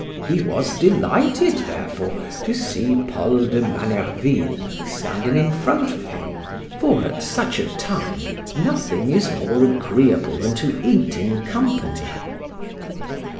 He was delighted, therefore, to see Paul de Manerville standing in front of him, for at such a time nothing is more agreeable than to eat in company.